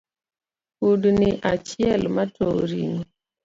Kudni achielematowo ringo